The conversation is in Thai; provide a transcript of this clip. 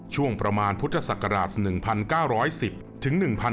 ช่วงประมาณพุทธศักราช๑๙๑๐ถึง๑๕